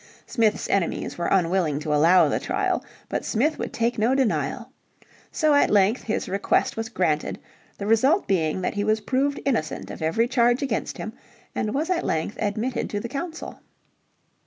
Smith's enemies were unwilling to allow the trial. But Smith would take no denial. So at length his request was granted, the result being that he was proved innocent of every charge against him, and was at length admitted to the council.